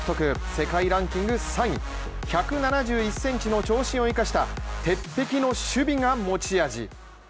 世界ランキング３位、１７１ｃｍの長身を生かした鉄壁の守備が持ち味。